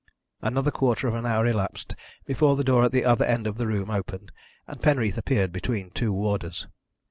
Another quarter of an hour elapsed before the door at the other end of the room opened, and Penreath appeared between two warders.